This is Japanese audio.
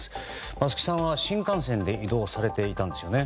松木さんは、新幹線で移動されていたんですよね？